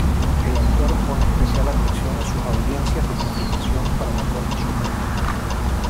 El autor pone especial atención a sus audiencias de confirmación para la Corte Suprema.